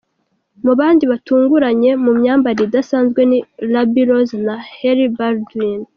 Mu bandi batunguranye mu myambarire idasanzwe ni Ruby Rose na Hailey Baldwin.